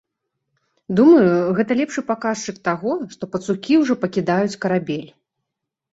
Думаю, гэта лепшы паказчык таго, што пацукі ўжо пакідаюць карабель.